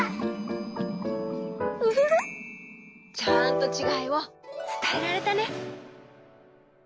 ウフフちゃんとちがいをつたえられたね。